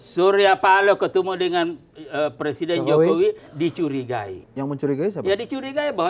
surya paloh ketemu dengan presiden jokowi dicurigai yang mencurigai ya dicurigai bahwa